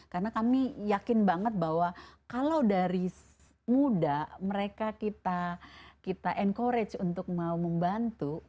karena kami yakin banget bahwa kalau dari muda mereka kita kita encourage untuk mau membantu